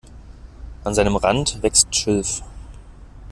An seinem Rand wächst Schilf.